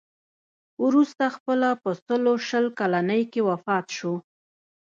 وروسته خپله په سلو شل کلنۍ کې وفات شو.